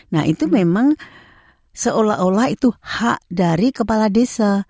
nah itu memang seolah olah itu hak dari kepala desa